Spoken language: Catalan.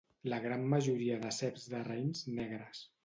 La gran majoria de ceps de raïms negres.